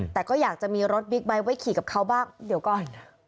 แต่ก็อยากจะมีรถบิ๊กไบท์ไว้ขี่กับเขาบ้างเดี๋ยวก่อน